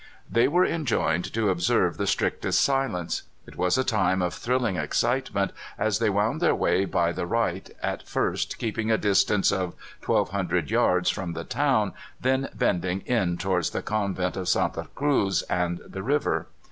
They were enjoined to observe the strictest silence. It was a time of thrilling excitement as they wound their way by the right, at first keeping a distance of 1,200 yards from the town, then bending in towards the convent of Santa Cruz and the river.